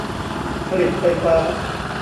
ผลิตไฟฟ้า